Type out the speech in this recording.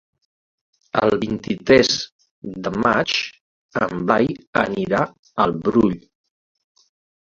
El vint-i-tres de maig en Blai anirà al Brull.